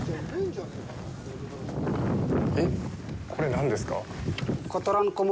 えっ、これ、何ですか？